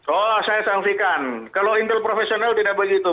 oh saya saksikan kalau intel profesional tidak begitu